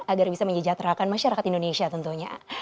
agar bisa menyejahterakan masyarakat indonesia tentunya